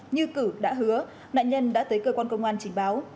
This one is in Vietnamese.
như cửu đã hứa nạn nhân đã tới cơ quan công an trình báo